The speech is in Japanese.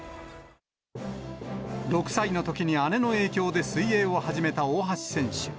６歳のときに姉の影響で水泳を始めた大橋選手。